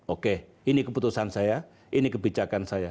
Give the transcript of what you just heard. oke ini keputusan saya ini kebijakan saya